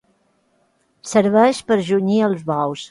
Serveix per junyir els bous.